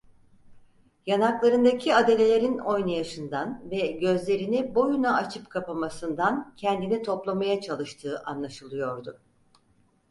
Yanaklarındaki adalelerin oynayışından ve gözlerini boyuna açıp kapamasından kendini toplamaya çalıştığı anlaşılıyordu.